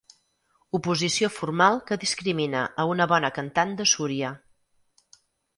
Oposició formal que discrimina a una bona cantant de Súria.